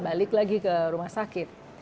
balik lagi ke rumah sakit